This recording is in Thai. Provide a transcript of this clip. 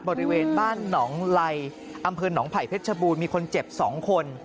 บริเวณบ้านหนองไลอำเภอหนองไผ่เพชรชบูรณ์มีคนเจ็บ๒คน